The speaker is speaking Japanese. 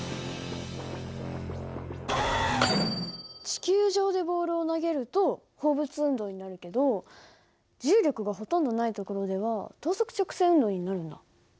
地球上でボールを投げると放物運動になるけど重力がほとんどない所では等速直運動になるんだ。